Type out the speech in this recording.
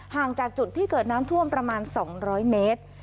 ห่างจากจุดที่เกิดน้ำท่วมประมาณ๒๐๐เมตร